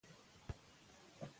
آیا ته غواړې چې زما سره پښتو ووایې؟